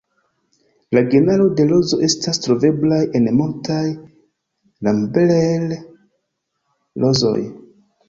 La genaro de rozo estas troveblaj en multaj Rambler-rozoj.